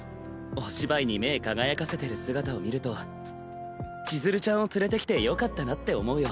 お芝居に目輝かせてる姿を見るとちづるちゃんを連れてきてよかったなって思うよ。